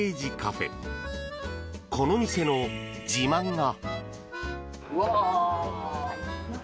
この店の自慢が。